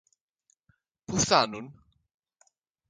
Πού φθάνουν;